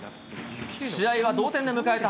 試合は同点で迎えた